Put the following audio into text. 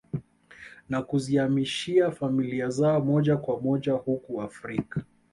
Na kuziamishia familia zao moja kwa moja huku Afrika